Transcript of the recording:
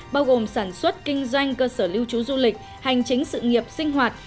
bao gồm sản xuất kinh doanh cơ sở lưu trú du lịch hành chính sự nghiệp sinh hoạt